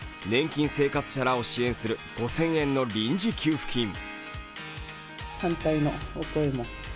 年金生活者らを支援する５０００円の臨時給付金。